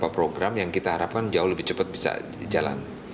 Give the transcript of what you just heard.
program yang kita harapkan jauh lebih cepat bisa jalan